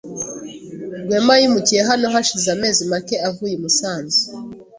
Rwema yimukiye hano hashize amezi make avuye i Musanze.